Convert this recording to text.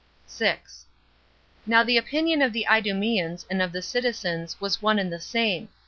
6. Now the opinion of the Idumeans and of the citizens was one and the same.